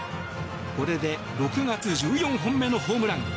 これで６月１４本目のホームラン。